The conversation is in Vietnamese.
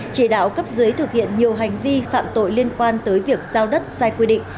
chỉ đạo cấp dưới thực hiện nhiều hành vi phạm tội liên quan tới việc giao đất sai quy định